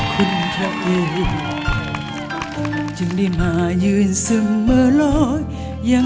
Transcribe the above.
คุณตั๊บซิริพอร์